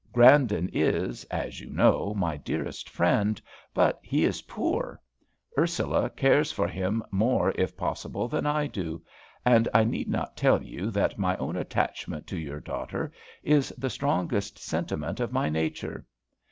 Grandon is, as you know, my dearest friend, but he is poor. Ursula cares for him more, if possible, than I do. And I need not tell you that my own attachment to your daughter is the strongest sentiment of my nature.